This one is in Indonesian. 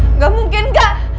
enggak mungkin enggak